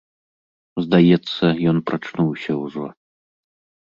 Здаецца, ён прачнуўся ўжо.